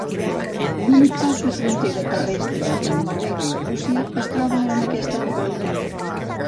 L'únic pas de frontera terrestre entre Noruega i Rússia es troba en aquesta localitat.